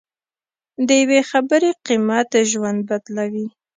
د یوې خبرې قیمت ژوند بدلوي.